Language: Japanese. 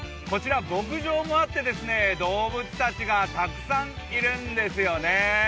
こちら、牧場もあって、動物たちがたくさんいるんですよね。